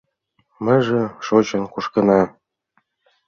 Меже шочын-кушкына